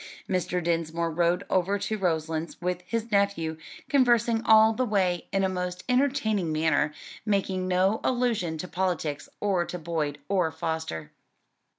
Mr. Dinsmore rode over to Roselands with his nephew, conversing all the way in a most entertaining manner, making no allusion to politics or to Boyd or Foster.